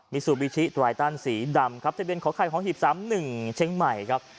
มิซูบิชิตรายต้านสีดำครับที่เป็นขอไขของหีบสามหนึ่งเชียงใหม่ครับ